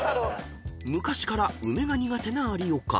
［昔から梅が苦手な有岡］